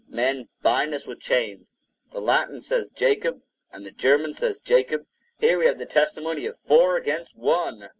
Men bind us with chains. The Latin says Jacob and the German says Jacob; here we have the testimony of four against one.